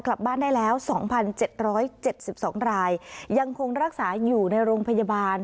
กลับบ้านได้แล้วสองพันเจ็ดร้อยเจ็ดสิบสองรายยังคงรักษาอยู่ในโรงพยาบาล